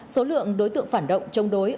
số lượng đối tượng phản động chống đối